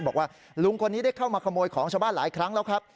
บอกว่าลุงคนนี้ได้เข้ามาขโมยของชาวบ้านหลายครั้งแล้วครับ